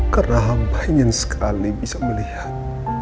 karena abba ingin sekali bisa melihat